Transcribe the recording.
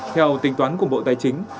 theo tính toán của bộ tài chính